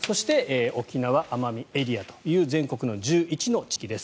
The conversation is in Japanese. そして、沖縄・奄美エリアという全国の１１の地域です。